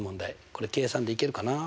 これ計算できるかな？